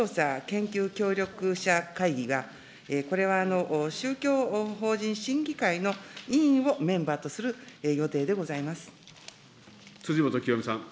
研究協力者会議がこれは宗教法人審議会の委員をメンバーとする予定で辻元清美さん。